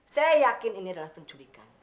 saya yakin ini adalah penculikan